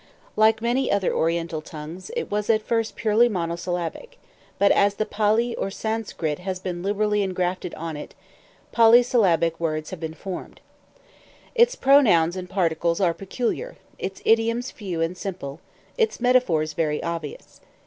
Like many other Oriental tongues, it was at first purely monosyllabic; but as the Pali or Sanskrit has been liberally engrafted on it, polysyllabic words have been formed. Its pronouns and particles are peculiar, its idioms few and simple, its metaphors very obvious.